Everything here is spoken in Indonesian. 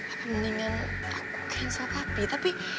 apa mendingan aku cancel papi